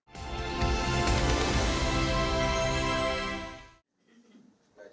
tài chính đảng